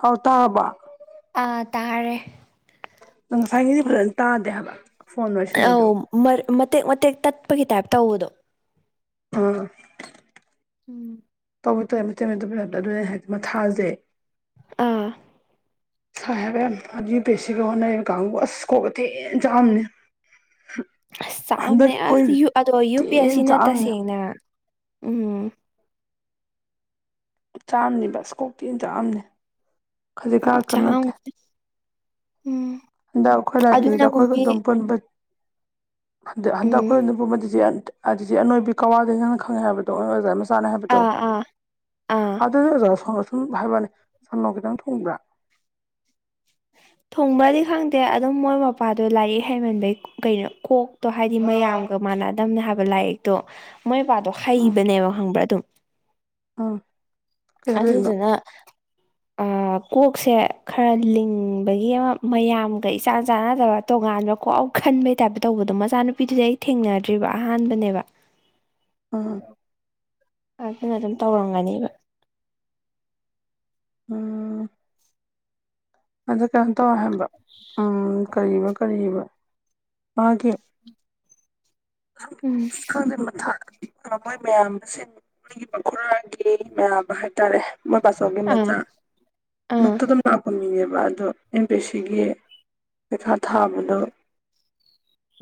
Hello ꯇꯔꯕꯣ ꯑꯥ ꯇꯥꯔꯦ ꯎꯝ ꯉꯁꯥꯏꯒꯩꯗꯤ ꯐꯖꯅ ꯇꯥꯗꯦ ꯍꯥꯏꯕ ꯐꯣꯟ ꯋꯥꯔꯤ ꯁꯥꯟꯅꯩꯗꯣ ꯑꯧ ꯃꯔꯛ ꯃꯇꯦꯛ ꯃꯇꯦꯛ ꯇꯠꯄꯒꯤ ꯇꯥꯏꯞ ꯇꯧꯕꯗꯣ ꯑꯝ ꯎꯝ [inaudible] [unintelligible] ꯑꯗꯨꯅꯦ ꯑꯩꯅ ꯍꯥꯏꯔꯤꯖꯦ ꯃꯊꯖꯦ ꯑꯥ ꯁꯥꯏ ꯍꯥꯏꯕꯌꯝ ꯌꯨ ꯄꯤ ꯑꯦꯁ ꯁꯤꯒ ꯍꯣꯠꯅꯔꯤꯕ ꯀꯥꯡꯕꯨ ꯑꯁ ꯀꯣꯛꯀ ꯊꯤ ꯆꯥꯛꯑꯅꯤ ꯑꯁ ꯆꯥꯝꯅꯦ ꯑꯁ ꯑꯗꯣ ꯌꯨ ꯄꯤ ꯑꯦꯁ ꯊꯤꯅ ꯁꯤꯅ ꯆꯥꯛꯑꯝꯅꯤ ꯇꯁꯦꯡꯅ ꯎꯝ ꯆꯥꯝꯅꯤ ꯕꯁ ꯀꯣꯛꯇꯅ ꯆꯥꯑꯝꯅꯤ ꯈꯖꯤꯛ ꯀꯛꯇ ꯆꯥꯛꯑꯝ ꯅꯠꯇꯦ ꯎꯝ ꯍꯟꯗꯛ ꯑꯩꯈꯣꯏ ꯂꯥꯏꯕ꯭ꯔꯦꯔꯤꯗ ꯑꯗꯨꯅꯕꯨ ꯑꯩꯈꯣꯏꯒ ꯃꯤ ꯑꯗꯨꯝ ꯄꯨꯟꯕ ꯍꯟꯗꯛ ꯍꯟꯗꯛ ꯎꯝ ꯑꯩꯈꯣꯏ ꯑꯗꯨꯗꯤꯗꯤ ꯑꯅꯣꯏꯕꯤ ꯀꯋꯥꯗ ꯅꯪꯅ ꯈꯪꯉꯦ ꯍꯥꯏꯕꯗꯣ ꯑꯣꯖꯥ ꯍꯥꯏꯕꯗꯣ ꯑꯥ ꯑꯥ ꯑꯥ ꯑꯗꯨꯗ ꯁꯨꯝ ꯍꯥꯏꯕꯅꯤ ꯁꯟꯅꯣ ꯈꯤꯇꯪ ꯊꯣꯡꯕ꯭ꯔꯥ ꯊꯣꯡꯕꯗꯤ ꯈꯪꯗꯦ ꯑꯗꯨꯝ ꯃꯣꯏ ꯃꯄꯥꯗꯣ ꯂꯥꯏꯔꯤꯛ ꯍꯩꯃꯟꯕꯩ ꯀꯩꯅꯣ ꯀꯣꯛꯇꯣ ꯍꯥꯏꯗꯤ ꯃꯌꯥꯝꯒ ꯃꯥꯟꯅꯗꯝꯅꯦ ꯍꯥꯏꯕ ꯂꯥꯏꯔꯤꯛꯇꯣ ꯃꯣꯏ ꯃꯕꯕꯥꯗꯣ ꯍꯩꯕꯅꯦꯕ ꯈꯪꯕ꯭ꯔꯥ ꯑꯗꯨꯝ ꯑꯥ ꯑꯗꯨ ꯑꯗꯨꯅ [unintelligible] ꯀꯣꯛꯁꯦ ꯈꯔ ꯂꯤꯡꯕꯒꯤ ꯑꯃ ꯃꯌꯥꯝꯒ ꯏꯆꯥꯟ ꯆꯥꯟꯅꯗꯕ ꯇꯣꯉꯥꯟꯕ ꯀꯣ ꯄꯥꯎ ꯈꯟꯕꯩ ꯇꯥꯏꯞꯇ ꯇꯧꯕꯗꯣ ꯃꯆꯥꯅꯨꯄꯤꯗꯨꯗꯤ ꯑꯩ ꯊꯦꯡꯅꯗ꯭ꯔꯤꯕ ꯑꯍꯥꯟꯕꯅꯦꯕ ꯑꯥ ꯑꯗꯨꯅ ꯑꯗꯨꯝ ꯇꯧꯔꯝꯒꯅꯦꯕ ꯑ ꯀꯩꯅꯣ ꯇꯧ ꯍꯕ ꯎꯝ ꯀꯔꯤꯕ ꯀꯔꯤꯕ ꯃꯥꯒꯤ ꯎꯝ ꯈꯪ ꯃꯊ ꯃꯣꯏ ꯃꯌꯥꯝ ꯑꯁꯤ ꯃꯣꯏꯒꯤ ꯃꯈꯔꯥꯒꯤ ꯃꯌꯥꯝꯕ ꯍꯥꯏꯇꯥꯔꯦ ꯃꯄꯁꯣꯒꯦ ꯑꯥ ꯃꯖꯥ ꯑꯥ ꯅꯨꯛꯇꯗꯝ ꯃꯥꯄꯣꯟ ꯃꯤ ꯑꯗꯨ ꯑꯦꯝ ꯄꯤ ꯁꯤꯒꯤ ꯄꯩꯈꯥ ꯊꯥꯕꯗꯣ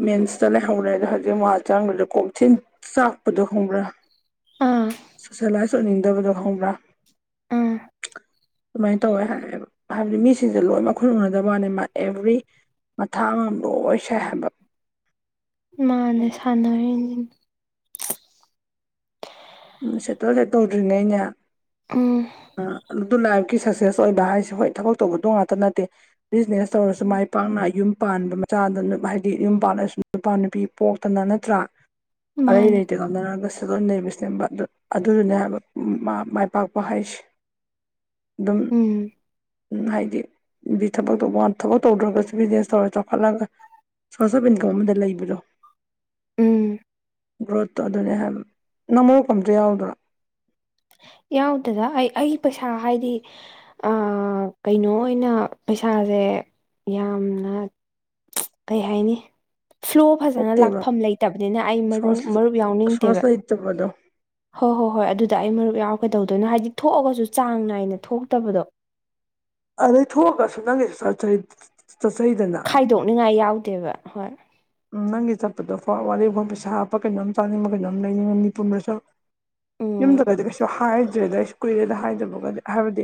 ꯃꯦꯟꯁꯇ ꯂꯩꯍꯧꯔꯦ ꯑꯗꯣ ꯍꯧꯖꯤꯛ ꯋꯥ ꯆꯥꯡꯕꯗ ꯀꯣꯛꯆꯤꯟ ꯆꯥꯛꯄꯗꯣ ꯍꯧꯕ꯭ꯔꯥ ꯑꯥ ꯁꯣꯁꯦꯂꯥꯏꯁ ꯑꯣꯏꯅꯤꯡꯗꯕꯗꯣ ꯈꯪꯕ꯭ꯔꯥ ꯑꯥ ꯑꯗꯨꯃꯥꯏꯅ ꯇꯧꯋꯦ ꯍꯥꯏꯌꯦꯕ ꯍꯥꯏꯕꯗꯤ ꯃꯤꯁ ꯁꯤꯁ ꯂꯣꯏ ꯃꯈꯨꯟ ꯎꯅꯗꯕ ꯋꯥꯅꯤ ꯃꯥ ꯑꯦꯚ꯭ꯔꯤ ꯃꯊꯥꯡ ꯑꯃ ꯂꯣꯏ ꯁꯥꯏ ꯍꯥꯏꯕ ꯃꯥꯅꯦ ꯁꯅ ꯎꯝ ꯁꯦꯠꯇꯣꯦ ꯇꯧꯗ꯭ꯅꯦꯩꯅ ꯎꯝ ꯑꯗꯨ ꯂ ꯀ ꯁꯛꯁꯦꯁ ꯑꯣꯏꯕ ꯍꯥꯏꯁꯦ ꯍꯣꯏ ꯊꯕꯛ ꯇꯧꯕꯗꯣ ꯉꯥꯛꯇ ꯅꯠꯇꯦ ꯕꯤꯖꯤꯅꯦꯁ ꯇꯧꯔꯁꯨ ꯃꯥꯏ ꯄꯥꯛꯅ ꯌꯨꯝ ꯄꯥꯟꯕ ꯃꯆꯥꯗ ꯍꯥꯏꯗꯤ ꯌꯨꯝ ꯄꯥꯜꯂꯁꯨ ꯅꯨꯄꯥ ꯅꯨꯄꯤ ꯄꯣꯛꯇꯅ ꯅꯠꯇ꯭ꯔꯥ ꯑꯩ ꯃꯥꯅꯦ ꯂꯩꯇꯦ ꯀꯅꯔꯒꯁꯤꯗꯣꯏ ꯂꯩꯕꯕꯁꯤꯅꯦꯕ ꯑꯗꯨꯗꯨꯅꯦ ꯍꯥꯏꯕ ꯃꯥꯏ ꯄꯥꯛꯄ ꯍꯥꯏꯁꯦ ꯎꯝ ꯎ ꯍꯥꯏꯗꯤ ꯗꯤ ꯊꯕꯛ ꯇꯧꯕ ꯊꯕꯛ ꯇꯧꯗ꯭ꯔꯒꯁꯨ ꯕꯤꯖꯤꯅꯦꯁ ꯇꯧꯔ ꯆꯥꯎꯈꯠꯂꯒ ꯁꯣꯔꯁ ꯑꯣꯐ ꯏꯟꯀꯝ ꯑꯃꯗ ꯂꯩꯕ꯭ꯔꯣ ꯎꯝ ꯒ꯭ꯔꯣꯠꯇꯣ ꯑꯗꯨꯅꯦ ꯍꯥꯏꯕ ꯅꯃꯣ ꯑꯝꯇ ꯌꯥꯎꯗ꯭ꯔꯥ ꯌꯥꯎꯗꯗ ꯑꯩ ꯑꯩ ꯄꯩꯁꯥ ꯍꯥꯏꯗꯤ ꯀꯩꯅꯣ ꯑꯣꯏꯅ ꯄꯩꯁꯥꯁꯦ ꯌꯥꯝꯅ ꯀꯩ ꯍꯥꯏꯅꯤ ꯐ꯭ꯂꯣ ꯐꯖꯅ ꯄꯣꯛꯇꯦꯕ ꯂꯥꯛꯐꯝ ꯂꯩꯇꯕꯅꯤꯅ ꯑꯩ ꯃꯔꯨ ꯁꯣꯔꯁ ꯃꯔꯨꯞ ꯌꯥꯎꯅꯤꯡꯗꯦꯕ ꯁꯣꯔꯁ ꯂꯩꯇꯕꯗꯣ ꯍꯣꯏ ꯍꯣꯏ ꯍꯣꯏ ꯑꯗꯨꯗ ꯑꯩ ꯃꯔꯨꯞ ꯌꯥꯎꯒꯗꯧꯗꯣꯏꯅꯣ ꯍꯥꯏꯗꯤ ꯊꯣꯛꯑꯒꯁꯨ ꯆꯥꯡ ꯅꯥꯏꯅ ꯊꯣꯛꯇꯕꯗꯣ ꯑꯔꯦ ꯏ ꯊꯒ ꯁꯅꯒꯦ ꯆꯠ ꯏ ꯈꯥꯏꯗꯣꯛꯅꯤꯉꯥꯏ ꯌꯥꯎꯗꯦꯕ ꯍꯣꯏ ꯎꯝ ꯅꯪꯒꯤ ꯆꯠꯄꯗꯣ ꯋꯥꯔꯤ ꯐꯥꯎ ꯄꯩ ꯁꯥꯥ ꯍꯥꯞꯄ ꯀꯩꯅꯣꯝ ꯆꯥꯅꯤꯡꯕ ꯀꯩꯅꯣꯝ ꯂꯩꯅꯤꯡꯕ ꯃꯤꯅꯤꯄꯨꯟꯗ ꯆꯠꯂ ꯎꯝ ꯌꯨꯝꯗꯒꯗꯤ ꯀꯩꯁꯨ ꯍꯥꯏꯗ꯭ꯔꯦꯗ ꯑꯩꯁꯨ ꯀꯨꯏꯔꯦꯗ ꯍꯥꯏꯗꯕꯒꯗꯤ ꯍꯥꯏꯕꯗꯤ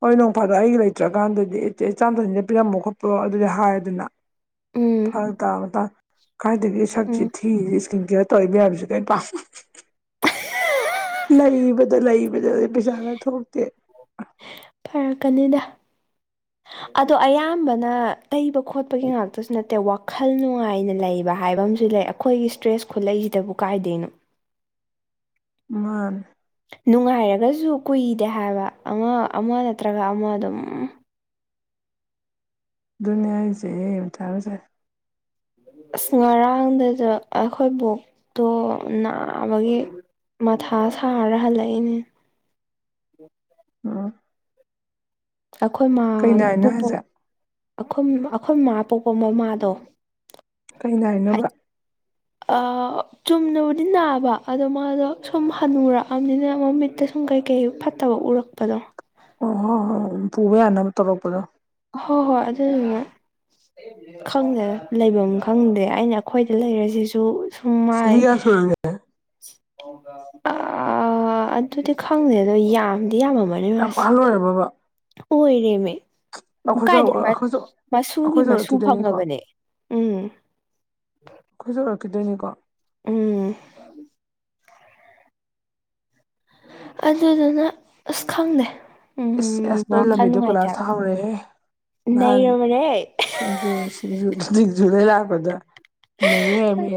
ꯍꯣꯏ ꯅꯣꯡꯐꯥꯗꯣ ꯑꯩꯒꯤ ꯂꯩꯇ꯭ꯔꯀꯥꯟꯗꯗꯤ ꯏꯆꯦ ꯆꯥꯟꯊꯁꯤꯅ ꯄꯤꯔꯃꯣ ꯈꯣꯠꯄꯣ ꯑꯗꯨꯗꯤ ꯍꯥꯏꯗꯅ ꯎꯝ ꯐꯜ ꯇꯕꯗ ꯀꯥꯏꯏꯗꯒꯤ ꯁꯛꯁꯤ ꯎꯝ ꯊꯤꯔꯤ ꯏꯁꯀꯤꯟ ꯀꯦꯌꯔ ꯇꯧꯏ ꯃꯌꯥꯝꯁꯤ ꯀꯔꯤ ꯄꯥꯝ ꯂꯩꯕꯗ ꯂꯩꯕꯗ ꯄꯩꯁꯥꯅ ꯊꯣꯛꯇ ꯀꯔꯛꯀꯅꯤꯗ ꯑꯗꯣ ꯑꯌꯥꯝꯕꯅ ꯇꯩꯕ ꯈꯣꯠꯄꯒꯤ ꯉꯥꯛꯇꯁꯨ ꯅꯠꯇꯦ ꯋꯥꯈꯜ ꯅꯨꯡꯉꯥꯏꯅ ꯂꯩꯕ꯫ ꯍꯥꯏꯕ ꯑꯃꯁꯨ ꯂꯩ ꯑꯩꯈꯣꯏꯒꯤ ꯏꯁꯇ꯭ꯔꯦꯁ ꯈꯨꯠꯂꯩꯁꯤꯗꯕꯨ ꯀꯥꯏꯗꯩꯅꯣ꯫ ꯃꯥ꯫ ꯅꯨꯡꯉꯥꯏꯔꯒꯁꯨ ꯀꯨꯏꯗꯦ ꯍꯥꯏꯕ ꯑꯃ ꯅꯠꯇ꯭ꯔꯒ ꯑꯃ ꯑꯗꯨꯝ꯫ ꯗꯨꯅꯤ ꯍꯥꯏꯁꯦ ꯃꯊꯕꯨ ꯁꯥꯏ꯫ ꯑꯁ ꯉꯔꯥꯡꯗꯁꯨ ꯑꯩꯈꯣꯏ ꯕꯣꯛꯇꯣ ꯅꯥꯕꯒꯤ꯫ ꯃꯊꯥ ꯁꯥꯔ ꯍꯜꯂꯛꯏꯅꯦ꯫ ꯎꯝ ꯑꯩꯈꯣꯏ ꯀꯩ ꯅꯥꯏꯅꯣ ꯃꯥꯈꯣꯏ ꯍꯥꯏꯁꯦ ꯑꯩꯈꯣꯏ ꯃꯥ꯫ ꯑ ꯄꯣꯛꯄ ꯃꯃꯥꯗꯣ꯫ ꯀꯩꯅ ꯍꯥꯏ ꯍꯥꯏꯅꯣꯕ꯫ ꯑꯥ ꯆꯨꯝꯅꯕꯨꯗꯤ ꯅꯥꯕ ꯑꯗꯣ ꯃꯥꯗꯣ ꯁꯨꯝ ꯍꯟꯅꯨꯔꯛꯑꯕꯅꯤꯅ ꯃꯃꯤꯠꯇ ꯁꯨꯝ ꯀꯩꯀꯩ ꯐꯠꯇꯕ꯫ ꯎꯔꯛꯄꯗꯣ꯫ ꯑꯣ ꯍ ꯍ ꯄꯨꯕ ꯌꯥꯅ ꯇꯧꯔꯛꯄꯗ꯫ ꯍꯣꯏ ꯍꯣꯏ ꯑꯗꯨꯗꯨꯅꯦ꯫ ꯈꯪꯗꯦ ꯂꯩꯐꯝ ꯈꯪꯗꯦ ꯑꯩꯅ ꯑꯩꯈꯣꯏꯗ ꯂꯩꯔꯁꯤꯁꯨ꯫ ꯁꯨꯃꯥꯏ꯫ ꯆꯍꯤ ꯀꯌꯥ ꯁꯨꯔꯒꯦ ꯑꯗꯨꯗꯤ ꯈꯪꯗꯦ ꯑꯗꯣ ꯌꯥꯝꯗꯤ ꯌꯥꯝꯃꯝꯃꯅꯤ ꯌꯥꯝ ꯃꯥꯁꯦ꯫ ꯑꯍꯜ ꯑꯣꯏꯔꯕꯕ ꯑꯣꯏꯔꯦꯃꯦ꯫ ꯑꯃꯨꯛ ꯑꯩꯈꯣꯏꯁꯨ ꯀꯥꯏꯗ ꯑꯩꯈꯣꯏꯁꯨ ꯃꯁꯨꯒꯤ ꯑꯩꯈꯣꯏꯁꯨ ꯃꯁꯨ ꯍꯧꯔꯛꯈꯤꯗꯣꯏꯅꯤꯀꯣ ꯐꯪꯉꯕꯅꯦ ꯎꯝ꯫ ꯑꯩꯈꯣꯏꯁꯨ ꯎꯔꯛꯈꯤꯗꯣꯏꯅꯤꯀꯣ꯫ ꯎꯝ꯫ ꯑꯗꯨꯗꯨꯅ ꯑꯁ ꯈꯪꯗꯦ ꯏꯁꯁ ꯎꯝ ꯑꯁ ꯅꯣꯏ ꯋꯥꯈꯜ ꯂꯝꯕꯤꯗꯣ ꯅꯨꯡꯉꯥꯏꯇꯦ ꯀꯣꯂꯥꯁ ꯊꯍꯧꯔꯦꯍꯦ ꯍꯥꯏꯕ ꯅꯍꯥꯟ꯫ ꯅꯩꯔꯕꯅꯦ ꯁꯤꯡꯖꯨ ꯁꯤꯖꯨ ꯂꯩꯦ ꯂꯥꯛꯀꯗ ꯅ ꯔꯦꯃꯦ꯫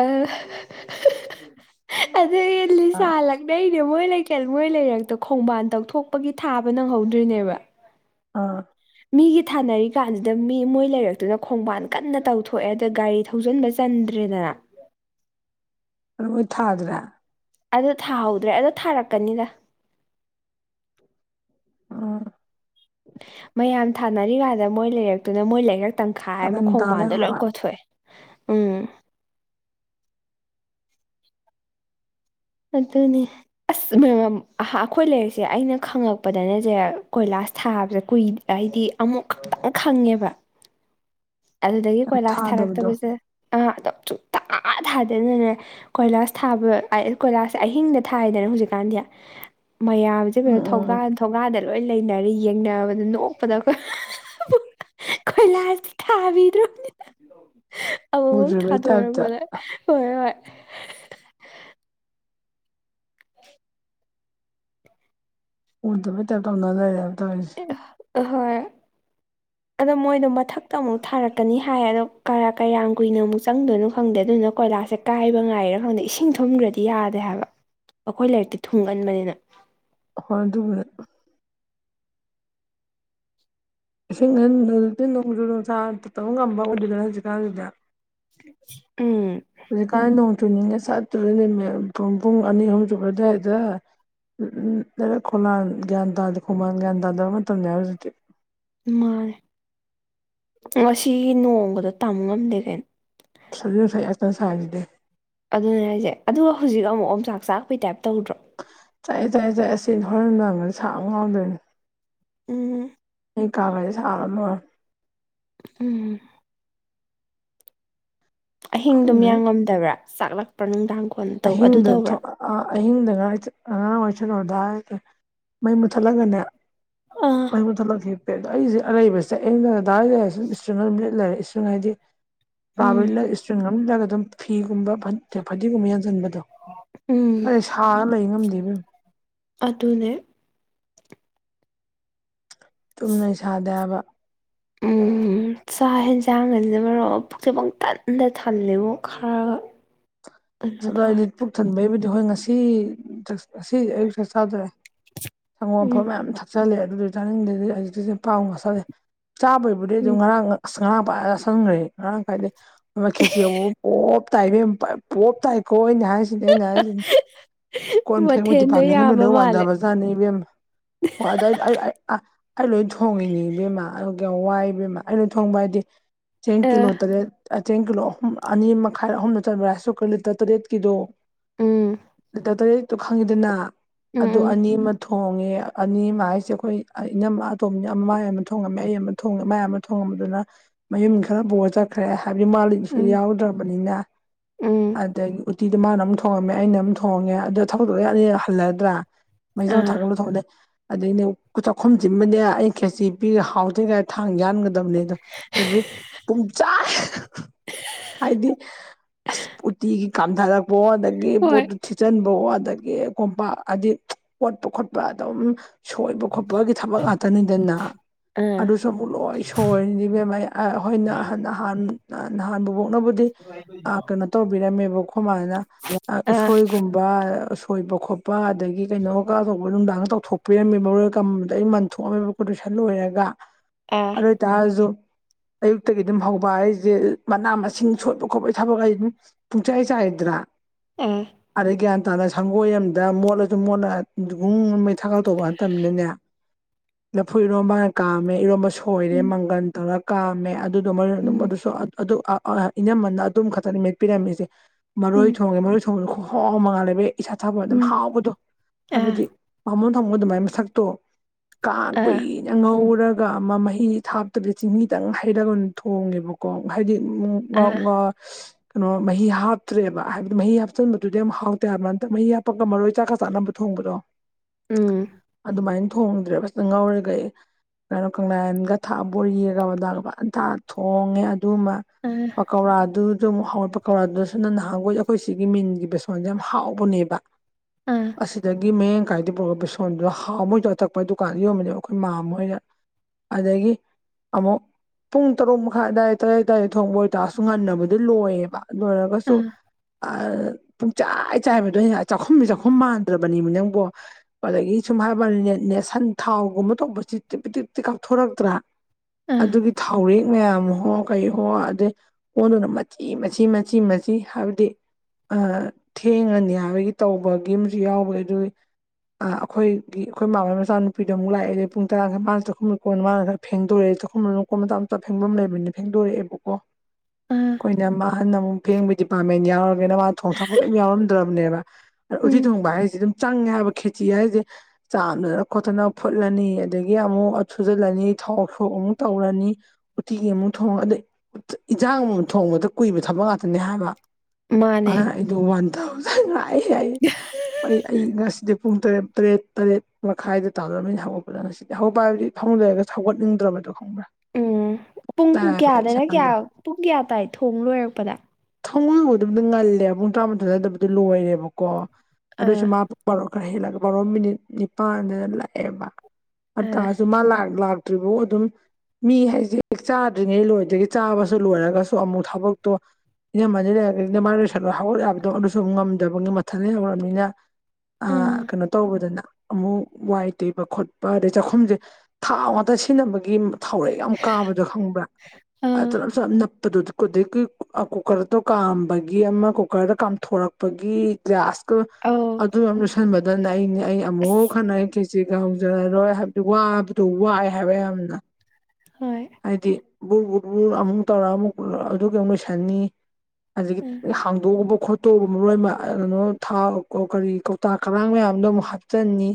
ꯑ ꯑꯗꯨꯜ ꯂꯤꯁꯥ ꯑꯥ ꯂꯛꯅ꯫ ꯃꯣꯏ ꯂꯩꯀꯦꯜ ꯃꯣꯏ ꯂꯩꯔꯛꯇ ꯈꯣꯡꯕꯥꯟ ꯇꯧꯊꯣꯛꯄꯒꯤ ꯊꯥꯕ ꯅꯪꯍꯧꯗ꯭ꯔꯤꯅꯦꯕ꯫ ꯑꯥ꯫ ꯃꯤꯒꯤ ꯊꯥꯅꯔꯤ ꯀꯥꯟꯁꯤꯗ ꯃꯤ ꯃꯣꯏ ꯂꯩꯔꯛꯇꯨꯅ ꯈꯣꯡꯕꯥꯟ ꯀꯟꯅ ꯇꯧꯊꯣꯛꯑꯦ ꯑꯗ ꯒꯥꯔꯤ ꯊꯧꯖꯤꯟꯕ ꯆꯟꯗ꯭ꯔꯦ꯫ ꯔꯦꯗꯅ꯫ ꯔꯣꯏ ꯊꯥꯗꯔ꯭ꯦ꯫ ꯑꯗꯨ ꯊꯥꯍꯧꯗ꯭ꯔꯦ ꯑꯗ ꯊꯥꯔꯛꯀꯅꯤꯗ꯫ ꯑꯥ꯫ ꯃꯌꯥꯝ ꯊꯥꯅꯔꯤ ꯀꯥꯟꯗ ꯃꯣꯏ ꯂꯩꯔꯛꯇꯨꯅ ꯃꯣꯏ ꯂꯩꯔꯛ ꯇꯪꯈꯥꯏ ꯍꯥꯏꯃ ꯀꯥꯔꯟ ꯇꯥ ꯈꯣꯡꯕꯥꯟꯗꯣ ꯂꯣꯏ ꯂꯩꯍꯧꯔꯕ ꯀꯣꯊꯣꯛꯑꯦ꯫ ꯎꯝ꯫ ꯑꯗꯨꯅꯦ ꯑꯁ ꯑꯩꯈꯣꯏ ꯂꯩꯔꯤꯁꯦ ꯑꯩꯅ ꯈꯪꯉꯛꯄꯗꯅꯦꯁꯦ ꯀꯣꯏꯂꯥꯁ꯫ ꯑꯁ ꯊꯥꯕꯁ ꯀꯨꯏ ꯍꯥꯏꯗꯤ ꯑꯃꯨꯛ ꯈꯛꯇꯪ ꯈꯪꯉꯦꯕ꯫ [inaudible] ꯑꯗꯨꯗꯒꯤ ꯀꯣꯏꯂꯥꯁ ꯊꯥꯗꯕꯗꯣ ꯊꯥꯔꯛꯇꯕꯁꯦ ꯑꯥ ꯑꯗꯣ ꯁꯨꯛꯊꯥ꯫ ꯑꯥ ꯊꯥꯗꯅꯅꯦ ꯀꯣꯏꯂꯥꯁ ꯊꯥꯕ ꯀꯣꯏꯂꯥꯁꯦ ꯑꯍꯤꯡꯗ ꯊꯥꯏꯗꯅ ꯍꯧꯖꯤꯛꯀꯥꯟꯗꯤ꯫ ꯃꯌꯥꯝꯁꯦ ꯎꯝ ꯀꯩꯅꯣ ꯎꯝ ꯎꯝ ꯊꯣꯡꯒꯥꯟ ꯊꯣꯡꯒꯥꯟꯗ ꯂꯣꯏ ꯂꯩꯅꯔꯦ ꯌꯦꯡꯅꯕꯗ ꯅꯣꯛꯄꯗ꯫ ꯀꯣꯏꯂꯥꯁ ꯊꯥꯕꯤꯗꯣꯅꯦ꯫ ꯑꯃꯨꯛ ꯎꯗ꯭ꯔꯤꯕꯩ ꯊꯥꯗ ꯇꯥꯏꯞꯇ ꯑꯣꯏꯔ ꯃꯦ ꯍ ꯍꯣꯏ꯫ ꯎꯔꯗ ꯄꯩꯇꯞ ꯇꯅꯖꯥꯏ꯫ [unintelligible] [inaudible] ꯑꯗꯣ ꯃꯣꯏꯗꯣ ꯃꯊꯛꯇ ꯑꯃꯨꯛ ꯊꯥꯔꯛꯀꯅꯤ ꯍꯥꯏ ꯑꯗꯣ ꯀꯌꯥꯝ ꯀꯨꯏꯅ ꯑꯃꯨꯛ ꯆꯪꯗꯣꯏꯅꯣ ꯈꯪꯗꯦ ꯑꯗꯨꯅ꯫ ꯀꯣꯏꯂꯥꯁꯦ ꯀꯥꯏꯕ ꯉꯥꯏꯔꯥ ꯈꯪꯗꯦ ꯏꯁꯤꯡ ꯊꯨꯝꯈ꯭ꯔꯗꯤ ꯌꯥꯗꯦ ꯍꯥꯏꯕ꯫ ꯑꯩꯈꯣꯏ ꯂꯥꯏꯔꯤꯛꯇꯤ ꯊꯨꯡꯒꯟꯕꯅꯤꯅ꯫ ꯍꯣꯏ ꯑꯗꯨ꯫ [unintelligible] ꯎ ꯍꯧꯖꯤꯛꯀꯥꯟ ꯅꯣꯡ ꯆꯨꯅꯤꯡꯉꯦ ꯆꯠꯇ ꯅꯨ ꯄꯨꯡ ꯑꯅꯤ ꯑꯍꯨꯝ ꯆꯨꯕ ꯑꯗꯨꯋꯥꯏꯗ ꯎ ꯎꯝ ꯈꯣꯡꯂꯥꯟ ꯒ꯭ꯌꯥꯟ ꯇꯥꯗꯦ ꯈꯣꯡꯃꯥꯟ ꯒ꯭ꯌꯥꯟ ꯇꯥꯗꯕ ꯃꯇꯝꯅꯦ ꯍꯧꯖꯤꯛꯇꯤ ꯃꯥꯅꯦ ꯉꯁꯤ ꯅꯣꯡꯃꯗ ꯇꯝꯕ ꯉꯝꯗꯦ ꯀꯩꯅꯣ ꯁ ꯁ ꯁꯥꯖꯗꯦ ꯑꯗꯨꯅꯦ ꯍꯥꯏꯁꯦ ꯑꯗꯨꯒ ꯍꯧꯖꯤꯛ ꯑꯃꯨꯛ ꯑꯣꯆꯥꯛ ꯆꯥꯛꯄꯩ ꯇꯥꯏꯞ ꯇꯧꯗ꯭ꯔꯣ ꯆꯥꯛꯑꯦ ꯆꯥꯛꯑꯦ ꯆꯥꯏ ꯑꯁꯤ ꯍꯣꯔꯦꯟꯗꯒ ꯁꯕ ꯉꯥꯎꯗꯣꯏꯅꯦ ꯎꯝ ꯑꯩ ꯀꯥꯒꯖ ꯑꯔꯝꯕ ꯑꯃꯅꯤ ꯎꯝ ꯑꯍꯤꯡꯗꯨꯝ ꯈꯪꯗꯦ ꯌꯥꯉꯝꯗꯕ꯭ꯔꯥ ꯆꯥꯛꯂꯛꯄ꯭ꯔꯥ ꯅꯨꯡꯗꯥꯡ ꯀꯣꯟ ꯇꯧ ꯑꯗꯨ ꯑꯍꯤꯡꯗ ꯇꯧꯕ꯭ꯔꯥ ꯑꯍꯤꯡꯗ ꯉ ꯑꯉꯥꯡ ꯗ ꯍꯥꯏꯦ ꯃꯩ ꯃꯨꯠꯊꯠꯂꯒꯅꯦ ꯑꯥ ꯃꯩ ꯃꯨꯠꯊꯠꯂꯛꯒꯦ ꯑꯗꯣ ꯑꯩꯁꯦ ꯑꯔꯩꯕꯁꯤꯁꯦ ꯑ ꯗꯥꯋꯥꯏ ꯂꯩꯔꯦ ꯁꯨꯝ ꯏꯁꯇ꯭ꯔꯤ ꯂꯤꯠ ꯂꯩꯔꯦ ꯏꯁꯇ꯭ꯔꯤꯡ ꯍꯥꯏꯗꯤ ꯎꯝ ꯥꯕꯂꯒ ꯏꯁꯇ꯭ꯔꯤꯡ ꯑꯃ ꯏꯜꯂꯒ ꯑꯗꯨꯝ ꯐꯤꯒꯨꯝꯕ ꯐ ꯐꯗꯤꯒꯨꯝꯕ ꯌꯥꯡꯁꯤꯟꯕꯗ ꯎꯝ ꯑ ꯁꯥꯔ ꯂꯩ ꯉꯝꯗꯦꯕ ꯑꯗꯨ ꯑꯗꯨꯅꯦ ꯆꯨꯝꯅ ꯁꯥꯗꯕ ꯑ ꯆꯥꯛ ꯌꯦꯟꯖꯥꯡ ꯉꯁ ꯃꯔꯣ ꯄꯨꯛꯁꯦ ꯄꯪ ꯇꯟꯗ ꯊꯜꯂꯦꯕꯨ ꯈꯔꯒ ꯀꯩꯅꯣ ꯇꯧꯔꯦ ꯁꯅꯤꯠ ꯄꯨꯛ ꯊꯟꯕꯩꯕꯨꯗꯤ ꯍꯣꯏ ꯉꯁꯤ ꯑꯁꯤꯁꯦ ꯑꯌꯨꯛ ꯆꯠ ꯆꯥꯗ꯭ꯔꯦ ꯎꯝ ꯁꯪꯒꯣꯝꯐꯝ ꯌꯥꯝ ꯊꯛꯆꯜꯂꯦ ꯑꯗꯨ ꯆꯥꯅꯤꯡꯗꯦꯗꯤ ꯑꯌꯛꯇꯁꯦ ꯄꯥꯎ ꯉꯁꯜꯂꯦ ꯆꯥꯕꯩꯕꯨꯗꯤ ꯑꯗꯨꯝ ꯎꯝ ꯉꯔꯥꯡ ꯉꯔꯥꯡ ꯄꯥꯏ ꯆꯁꯟꯈ꯭ꯔꯦ ꯉꯔꯥꯡ ꯀꯥꯏꯗꯦ ꯈꯦꯆꯕꯨ ꯄꯣꯞ ꯇꯥꯏꯕ ꯄꯣꯞ ꯇꯥꯏꯈꯣ ꯑꯩꯅ ꯍꯥꯏꯔꯤꯁꯤꯅꯦ ꯑꯩꯅ ꯍꯥꯏꯔꯤꯁꯤꯅꯤ ꯀꯣꯟ ꯐꯦꯡꯕ ꯃꯊꯦꯜꯗꯣ ꯗꯤꯄꯥꯔꯠꯃꯦꯟꯒ ꯌꯥꯝꯕ ꯂꯣꯏ ꯃꯥꯜꯂꯦ ꯋꯥꯟꯊꯕꯖꯥꯠꯅꯤ ꯏꯕꯦꯝ ꯑꯗ ꯑꯩ ꯂꯣꯏ ꯊꯣꯡꯉꯤꯉꯤ ꯏꯕꯦꯝꯃ ꯑꯗꯨꯒ ꯋꯥꯏꯕꯦꯝꯃ ꯑꯩ ꯂꯣꯏ ꯊꯣꯡꯕ ꯍꯥꯏꯗꯤ ꯆꯦꯡ ꯑ ꯀꯤꯂꯣꯔꯦ ꯆꯦꯡ ꯀꯂꯣ ꯑꯍꯨꯝ ꯑꯅꯤꯥꯏꯍꯨꯝ ꯆ ꯔꯥꯏꯁꯨꯣ ꯀ ꯂꯩ ꯇ ꯇꯔꯦꯠꯀꯤꯗꯣ ꯎꯝ ꯂꯤꯇꯔ ꯇꯔꯦꯠꯇꯣ ꯈꯪꯉꯤꯗꯅ ꯎꯝ ꯑꯗꯨ ꯎꯝ ꯑꯅꯤ ꯑꯃ ꯊꯣꯡ ꯊꯣꯡꯉꯦ ꯑꯅꯤꯃ ꯍꯥꯏꯁꯦ ꯑꯩꯈꯣꯏ ꯏꯅꯝ ꯑꯇꯣꯝꯝꯕꯅ ꯑꯃ ꯃ ꯑꯃ ꯊꯣꯡꯉꯝꯃꯦ ꯑꯩ ꯑꯃꯦ ꯃꯥꯏ ꯑꯃ ꯊꯣꯡꯉꯝꯕꯗꯨꯅ ꯃꯌꯨꯝ ꯈꯔ ꯄ ꯆꯠꯈ꯭ꯔꯦ ꯍꯥꯏꯕꯗꯤ ꯃꯥꯂꯦꯝꯁꯤ ꯎꯝ ꯌꯥꯎꯗ꯭ꯔꯕꯅꯤꯅ ꯎꯝ ꯑꯗꯒꯤ ꯎꯇꯤꯗꯣ ꯃꯥꯅ ꯑꯃꯝ ꯊꯣꯡꯉꯝꯃꯦ ꯑꯩꯅ ꯑꯃꯝ ꯊꯣꯡꯉꯦ ꯑꯗꯨꯗꯣ ꯊꯕꯗꯣꯛ ꯌꯥꯗꯤ ꯍꯜꯂꯗ꯭ꯔꯥ ꯃꯩꯖꯥꯎ ꯑꯥ ꯊꯥꯒꯠꯂꯊꯣꯛꯂꯦ ꯑꯗꯗꯒꯤꯅꯦ ꯑꯈꯨꯝ ꯁꯤꯤꯟꯕꯅꯦ ꯑꯩ ꯈꯦꯁꯤ ꯄꯤꯔꯒ ꯍꯥꯎꯗ꯭ꯔꯤꯒ ꯊꯥꯡ ꯌꯥꯟꯒꯗꯕꯅꯦ ꯑꯗꯣ ꯑꯦꯚ꯭ꯔꯤ ꯄ ꯍꯥꯏꯗꯤ ꯑꯁ ꯎꯇꯤꯒꯤ ꯀꯥꯝꯊꯔꯛꯄꯣ ꯑꯗꯒꯤ ꯍꯣꯏ ꯄꯣꯠꯇꯨ ꯊꯤꯠꯆꯟꯕ ꯑꯗꯒꯤ ꯀꯣꯝꯄꯥꯛ ꯍꯥꯏꯗꯤ ꯀꯣꯠꯄ ꯈꯣꯠꯄ ꯑꯗꯨꯝ ꯁꯣꯏꯕ ꯈꯣꯠꯄꯒꯤ ꯊꯕꯛ ꯉꯥꯛꯇꯅꯤꯗꯅ ꯑꯥ ꯑꯗꯨꯁꯨ ꯑꯃꯨꯛ ꯂꯣꯏ ꯁꯣꯏꯔꯤꯅꯤꯦꯝ ꯑꯩꯈꯣꯏꯅ ꯅꯍꯥꯟ ꯅꯍꯥꯟꯕꯨꯕꯣꯛꯅꯕꯨꯗꯤ ꯀꯩꯅꯣ ꯇꯧꯕꯤꯔꯝꯃꯦꯕꯀꯣ ꯈꯨꯃꯥꯏꯅ ꯑꯥ ꯎꯁꯣꯏꯒꯨꯝꯕ ꯀꯣꯏꯕ ꯈꯣꯠꯄ ꯑꯗꯒꯤ ꯀꯩꯅꯣ ꯀꯥꯊꯧꯕ ꯅꯨꯡꯗꯥꯡꯒ ꯇꯧꯊꯣꯛꯄꯤꯔꯝꯃꯦ ꯃꯔꯣꯏꯗꯩꯅ ꯃꯟꯊꯣꯛꯑꯝꯃꯦꯕ ꯂꯣꯏꯔꯒ ꯑꯥ ꯑꯗꯨ ꯑꯣꯏꯇꯥꯔꯁꯨ ꯑꯌꯨꯛꯇꯒꯤ ꯑꯗꯨꯝ ꯍꯧꯕ ꯑꯩꯁꯦ ꯃꯅꯥ ꯃꯁꯤꯡ ꯁꯣꯠꯄ ꯈꯣꯠꯄꯒꯤ ꯊꯕꯛ ꯑꯩ ꯑꯗꯨꯝ ꯄꯨꯡ ꯆꯩꯥꯏ ꯆ ꯍꯥꯏꯗ꯭ꯔꯥ ꯑꯥ ꯑꯔꯒ ꯞꯇꯥꯅ ꯁꯪꯒꯣꯏ ꯑꯃꯝꯗ ꯃꯣꯠꯂꯁꯨ ꯃꯣꯠꯂ ꯅꯨꯡ ꯃꯩ ꯊꯥꯒ ꯇꯧꯕ ꯅꯠꯇꯕꯅꯤꯅꯦ ꯂꯐꯨ ꯏꯔꯣꯝꯝꯕꯅ ꯀꯥꯝꯃꯦ ꯏꯔꯣꯝꯕ ꯁꯣꯏꯔꯦ ꯎꯝ ꯃꯪꯒꯟ ꯇꯧꯔꯒ ꯀꯥꯝꯃꯦ ꯑꯗꯨꯗꯣ ꯃꯔ ꯎꯝ ꯑꯗꯨꯝꯁꯨ ꯑꯗꯨ ꯏꯅꯝꯃꯅ ꯑꯗꯨꯝ ꯈꯛꯇꯅ ꯃꯦꯠꯄꯤꯔꯝꯃꯤꯁꯦ ꯎꯝ ꯃꯔꯣꯏ ꯊꯣꯡꯉꯦ ꯃꯔꯣꯏ ꯊꯣꯡꯕꯁꯨ ꯍꯥꯎ ꯃꯉꯥꯜꯂꯦꯕꯩ ꯏꯁꯥ ꯊꯥꯕ ꯑꯗꯨꯝ ꯎꯝ ꯍꯥꯎꯕꯗꯣ ꯑꯥ ꯍꯥꯏꯕꯗꯤ ꯃꯃꯣꯟ ꯊꯝꯃꯣꯟꯒ ꯑꯗꯨꯃꯥꯏ ꯃꯁꯛꯇꯣ ꯀ ꯑꯥ ꯀꯨꯏꯅ ꯉꯧꯔꯒ ꯒ ꯑꯃ ꯃꯍꯤ ꯊꯥꯞꯇꯕꯗ ꯆꯤꯡꯍꯤꯗꯪ ꯍꯩꯔꯒ ꯊꯣꯡꯉꯦꯕꯀꯣ ꯍꯥꯏꯗꯤ ꯎ ꯑꯥ ꯑ ꯀꯩꯅꯣ ꯃꯍꯤ ꯍꯥꯞꯇ꯭ꯔꯦꯕ ꯍꯥꯏꯕꯗꯤ ꯃꯍꯤ ꯍꯥꯞꯆꯟꯕꯗꯨꯗꯤ ꯌꯥꯝꯝ ꯍꯥꯎꯇꯦ ꯍꯥꯏꯕ ꯅꯝ ꯃꯍꯤ ꯍꯥꯞꯄꯒ ꯃꯔꯣꯏ ꯆꯥꯛꯀ ꯆꯥꯅꯕ ꯊꯣꯛ ꯕꯗꯣ ꯎꯝ ꯑꯗꯨꯃꯥꯏꯅ ꯊꯣꯡꯗ꯭ꯔꯦ ꯐꯖꯅ ꯉꯥꯎꯔꯒ ꯀꯩꯅꯣ ꯀꯪꯂꯥꯒ ꯊꯥꯛꯑꯒ ꯕꯣꯔꯤꯒ ꯃꯣꯏꯗꯒ ꯐꯖꯅ ꯊꯛꯑꯒ ꯊꯣꯡꯉꯦ ꯑꯗꯨꯃ ꯑꯥ ꯄꯧꯀꯧꯔꯥꯗꯨ ꯍꯥꯎꯔꯠꯄ ꯀꯧꯔ ꯑꯗꯨꯗꯁꯨꯅ ꯅꯍꯥꯟꯈꯣꯏ ꯑꯩꯈꯣꯏ ꯁꯤꯒꯤ ꯃꯤꯟꯒꯤ ꯕꯦꯁꯣꯟꯁꯦ ꯌꯥꯝ ꯍꯥꯎꯕꯅꯦꯕ ꯑꯥ ꯑꯁꯤꯗꯒꯤ ꯃꯦ ꯀꯥꯏꯗ ꯄꯨꯔꯒ ꯕꯦꯁꯣꯟꯗꯨꯗꯣ ꯍꯥꯎ ꯃꯣꯏꯗꯣ ꯇꯛꯄ ꯗꯨꯀꯥꯟꯗ ꯌꯣꯟꯕꯅꯦꯕ ꯑꯩꯈꯣꯏ ꯃꯥꯝꯃ ꯍꯣꯏꯗ ꯑꯗꯨꯗꯒꯤ ꯑꯃꯨꯛ ꯄꯨꯡ ꯇꯔꯨꯛ ꯃꯈꯥꯏ ꯑꯗꯥꯋꯥꯏꯗ ꯇꯔꯦ ꯇꯔꯦꯠ ꯊꯣꯡꯕ ꯑꯣꯏꯇꯥꯁꯨ ꯉꯟꯅꯕꯗꯤ ꯂꯣꯏ ꯕ ꯑꯗꯨ ꯑꯣꯏꯔꯒꯁꯨ ꯑꯥ ꯑꯥ ꯄꯨꯡꯆꯥꯏ ꯆꯥꯏꯕꯗꯣ ꯆꯥꯛꯈꯨꯝꯗꯣ ꯆꯥꯛꯈꯨꯝ ꯃꯥꯟꯗ꯭ꯔꯕꯅꯤꯕ ꯅꯪꯕꯣ ꯑꯗꯒꯤ ꯁꯨꯝ ꯍꯥꯏꯕꯅꯦꯅꯦ ꯁꯟ ꯊꯥꯎꯒꯨꯝꯕ ꯇꯧꯕꯁꯤ ꯇꯤꯞ ꯇꯤꯞꯇꯤ ꯀꯥꯞꯊꯣꯔꯛꯇ꯭ꯔꯥ ꯑꯥ ꯑꯗꯨꯒꯤ ꯊꯥꯎꯔꯦꯛ ꯃꯌꯥꯝ ꯍꯣ ꯀꯩꯍꯣ ꯑꯗꯨꯗꯩ ꯑꯩꯉꯣꯟꯗꯅ ꯃꯆꯦꯠ ꯏ ꯃꯆꯤ ꯃꯆꯤ ꯃꯆꯤ ꯍꯥꯏꯕꯗꯤ ꯑ ꯊꯦꯡꯉꯅꯤ ꯍꯥꯏꯕꯒꯤ ꯇꯧꯕꯒꯤ ꯑꯃꯁꯨ ꯌꯥꯎꯕ ꯑꯗꯨꯒꯤ ꯑ ꯑꯩꯈꯣꯏꯒꯤ ꯑꯩꯈꯣꯏ ꯃꯃꯥꯩ ꯃꯆꯥ ꯅꯨꯄꯤꯗ ꯑꯃꯨꯛ ꯂꯥꯛꯑꯦꯂꯦ ꯄꯨꯡ ꯇꯔꯥꯈꯔ ꯃꯥꯅ ꯆꯥꯛꯈꯨꯝ ꯀꯣꯟꯅ ꯃꯥꯅ ꯈꯔ ꯐꯦꯡꯗꯣꯔꯛꯑꯦ ꯆꯈꯨꯝꯗ ꯃꯀꯨꯞ ꯃꯇꯥ ꯂꯩꯕꯅꯤꯅ ꯐꯦꯡꯐꯝ ꯂꯩꯕꯅꯤꯅ ꯐꯦꯡꯗꯣꯔꯛꯑꯦꯕꯀꯣ ꯑꯥ ꯑꯩꯈꯣꯏꯅ ꯃꯥꯍꯟꯅ ꯑꯃꯨꯛ ꯐꯦꯡꯕ ꯗꯤꯄꯥꯔꯠꯃꯦꯟ ꯌꯥꯎꯔꯒꯦꯅ ꯃꯥ ꯊꯣꯡ ꯊꯥꯛꯄ ꯀꯩꯝ ꯌꯥꯎꯔꯝꯗ꯭ꯔꯕꯅꯦꯕ ꯎꯇꯤ ꯎꯝ ꯊꯣꯡꯕ ꯍꯥꯏꯁꯤ ꯑꯗꯨꯝ ꯆꯪꯉꯦ ꯍꯥꯏꯕ ꯈꯦꯇꯤ ꯍꯥꯏꯁꯦ ꯆꯥꯝꯗꯅ ꯈꯣꯠꯇꯅ ꯐꯨꯠꯂꯅꯤ ꯑꯗꯒꯤ ꯑꯃꯨꯛ ꯁꯨꯖꯤꯜꯂꯅꯤ ꯊꯥꯎꯁꯣꯛ ꯑꯃꯨꯛ ꯇꯧꯔꯅꯤ ꯎꯇꯤ ꯑꯃꯨꯛ ꯊꯣꯡꯉ ꯑꯗꯩ ꯏꯟꯖꯥꯡ ꯑꯃꯨꯛ ꯊꯣꯡꯕꯗ ꯀꯨꯏꯕ ꯊꯛ ꯉꯥꯛꯇꯅꯦ ꯍꯥꯏꯕ ꯃꯥꯅꯦ ꯑꯗꯨꯅ ꯑꯩꯗꯣ ꯋꯥꯟ ꯊꯥꯎꯖꯟ ꯂꯥꯛꯏ ꯌꯥ ꯑꯩ ꯑꯩ ꯉꯁꯤꯗꯤ ꯄꯨꯡ ꯇꯔꯦꯠ ꯇꯔꯦꯠ ꯇꯔꯦꯠ ꯃꯈꯥꯏꯗ ꯇꯥꯗꯅꯤꯅ ꯍꯧꯒꯠꯄꯗ ꯉꯁꯤꯗꯤ ꯑꯒꯧꯕꯄ ꯍꯥꯏꯕꯗꯤ ꯐꯃ ꯂꯩꯔꯒ ꯍꯧꯒꯠꯅꯤꯡꯗ꯭ꯔꯕꯗꯣ ꯈꯪꯕ꯭ꯔꯥ ꯎꯝ ꯄꯨꯡ ꯇꯥꯏꯕ ꯑꯩ ꯀꯌꯥꯗꯅ ꯀꯌꯥ ꯏꯁꯥꯗꯣ ꯄꯨꯡ ꯀꯌꯥ ꯇꯥꯏ ꯊꯣꯡ ꯂꯣꯏꯔꯛꯄꯗ ꯊꯃꯣꯏꯕꯨ ꯑꯗꯨꯝꯅ ꯉꯜꯂꯦꯕ ꯄꯨꯡ ꯇꯔꯥꯃꯥꯊꯣꯏ ꯑꯗꯨꯋꯥꯏꯗꯗꯤ ꯂꯣꯏꯔꯦꯕꯀꯣ ꯑꯥ ꯑꯗꯨꯑꯣꯏꯁꯨ ꯃꯥ ꯍꯦꯜꯂꯒ ꯕꯔꯣ ꯃꯤꯅꯤꯠ ꯅꯤꯄꯥꯟꯗꯅ ꯂꯥꯛꯑꯦꯕ ꯑꯗꯨ ꯑꯥ ꯇꯁꯨ ꯃꯥ ꯂꯛ ꯇ꯭ꯔꯤꯐꯥꯎ ꯑꯗꯨꯝ ꯃꯤ ꯍꯥꯏꯁꯦ ꯍ ꯆꯥꯗ꯭ꯔꯤꯉꯩ ꯂꯣꯏ ꯆꯥꯕꯁꯨ ꯂꯣꯏꯔꯒ ꯑꯃꯨꯛ ꯊꯕꯛꯇꯣ ꯏꯅꯝꯃ ꯂꯩ ꯃꯥ ꯂꯣꯏꯁꯜꯂꯣ ꯍꯧꯒꯠꯌꯥꯕꯗꯣ ꯑꯗꯨꯁꯨ ꯉꯝꯗꯕꯒꯤ ꯃꯊꯜ ꯌꯧꯔꯅꯤꯅ ꯑ ꯎꯝ ꯀꯩꯅꯣ ꯇꯧꯕꯗꯨꯅ ꯑꯃꯨꯛ ꯋꯥꯏ ꯇꯩꯕ ꯈꯣꯠꯄ ꯑꯗꯩ ꯆꯥꯛꯈꯨꯝꯁꯦ ꯊꯥꯎ ꯉꯥꯛꯇ ꯁꯤꯖꯤꯟꯅꯕꯒꯤ ꯊꯥꯎꯔꯛ ꯌꯥꯝ ꯀꯥꯕꯗꯣ ꯈꯪꯕ꯭ꯔꯥꯝ ꯑꯥ ꯑꯗꯨꯁꯨ ꯌꯥꯝ ꯅꯄ ꯑꯗꯨꯛꯀꯤ ꯀꯨꯀꯔꯗꯣ ꯀꯥꯝꯕꯒꯤ ꯑꯃ ꯀꯨꯀꯔꯗ ꯀꯥꯝꯊꯣꯔꯛꯄꯒꯤ ꯒ꯭꯭ꯂꯥꯁ ꯑꯧ ꯑꯗꯨ ꯑꯗꯨ ꯈꯟꯕꯗꯅ ꯑꯩꯅꯦ ꯑꯩ ꯑꯁ ꯑꯃꯨꯛ ꯈꯟꯅꯩ ꯀꯦꯆꯦꯒ ꯍꯧꯖꯔꯔꯣꯏ ꯍꯥꯏꯕꯗꯤ ꯋꯥꯕꯗꯣ ꯋꯥꯏ ꯍꯥꯏꯕ ꯎꯝ ꯍꯣꯏ ꯍꯥꯏꯗꯤ ꯕꯨ ꯕꯨ ꯑꯃꯨꯛ ꯇꯧꯔ ꯑꯃꯨꯛ ꯑꯗꯨ ꯑꯗꯨꯒ ꯂꯣꯏꯁꯟꯅꯤ ꯑꯗꯒꯤ ꯎꯝ ꯍꯥꯡꯗꯣꯛꯎꯕ ꯈꯣꯇꯣꯒꯨꯝꯕ ꯃꯔ ꯂꯣꯏꯕ ꯀꯩꯅꯣꯎ ꯀꯔꯤ ꯀꯧꯇꯥꯛ ꯀꯔꯥꯡ ꯃꯌꯥꯝꯗꯣ ꯑꯃꯨꯛ ꯍꯥꯞꯆꯟꯅꯤ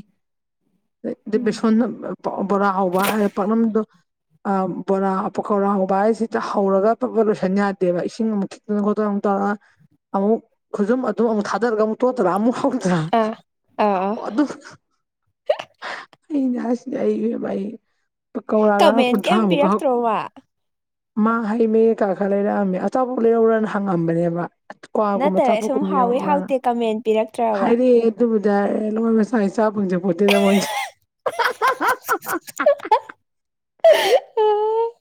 ꯎꯝ ꯗꯤꯁꯣꯟ ꯕꯣꯔꯥ ꯍꯥꯎꯕ ꯍꯥꯏ ꯄꯅꯝꯗ ꯕꯣꯔꯥ ꯈꯧꯔꯥꯡ ꯍꯧꯕ ꯍꯥꯏꯁꯤꯗ ꯍꯧꯔꯒ ꯐꯕꯠ ꯂꯣꯏꯁꯟ ꯌꯥꯗꯦꯕ ꯏꯁꯤꯡ ꯑꯃꯨꯛ ꯈꯤꯛꯇꯅ ꯈꯣꯠꯇꯅ ꯇꯧꯗꯅ ꯑꯃꯨꯛ ꯈꯨꯖꯝ ꯑꯗꯨꯝ ꯑꯃꯨꯛ ꯊꯥꯗꯔꯒ ꯑꯃꯨꯛ ꯇꯣꯠꯇꯔꯥ ꯑꯃꯨꯛ ꯍꯧ ꯑꯥ ꯑꯥ ꯑꯥ ꯑꯣ ꯑꯗꯨ ꯑ ꯌꯥ ꯑꯩ ꯏꯕꯦꯝꯃ ꯑꯩ ꯄꯧꯀꯧꯔꯥꯒ ꯀꯃꯦꯟ ꯀꯩꯝ ꯀꯨꯟꯊ꯭ꯔꯥꯃꯨꯛ ꯍꯛ ꯄꯤꯔꯛꯇ꯭ꯔꯣ ꯃꯥ ꯃꯥ ꯍꯩꯃꯦ ꯀ ꯈꯔ ꯂꯩꯔꯛꯑꯝꯃꯦ ꯑꯆꯥꯄꯣ ꯂꯩꯍꯧꯔꯅ ꯍꯪꯉꯝꯕꯅꯦꯕ ꯀ꯭ꯋꯥꯒꯨꯝꯕ ꯅꯠꯇ꯭ꯔꯒ ꯁꯨꯝ ꯑꯆꯥꯐꯣꯠꯀꯨꯝꯕ ꯍꯥꯎꯋꯤ ꯌꯥꯎꯔꯨꯔꯅ ꯍꯥꯎꯇꯦ ꯀꯃꯦꯟ ꯄꯤꯔꯛꯇ꯭ꯔꯕ ꯍꯥꯏꯗꯤ ꯑꯗꯨꯕꯨꯗ ꯑꯦ ꯂꯣꯏ ꯃꯁꯥꯒꯤ ꯆꯥ ꯄꯪꯁꯄꯣꯠꯇꯦꯗ ꯃꯣꯏꯁꯦ [unintelligible]